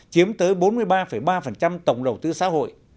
chiếm tới bốn mươi ba ba tổng đầu tư xã hội